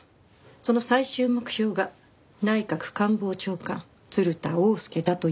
その最終目標が内閣官房長官鶴田翁助だという事も。